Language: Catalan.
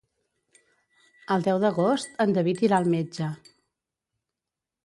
El deu d'agost en David irà al metge.